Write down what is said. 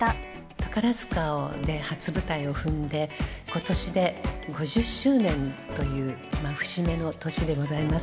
宝塚で初舞台を踏んで、ことしで５０周年という節目の年でございます。